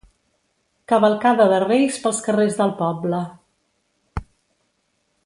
Cavalcada de Reis pels carrers del poble.